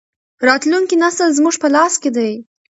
راتلونکی نسل زموږ په لاس کې دی.